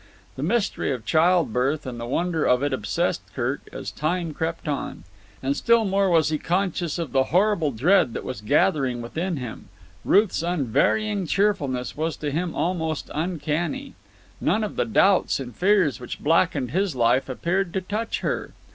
The mystery of childbirth and the wonder of it obsessed Kirk as time crept on. And still more was he conscious of the horrible dread that was gathering within him. Ruth's unvarying cheerfulness was to him almost uncanny. None of the doubts and fears which blackened his life appeared to touch her.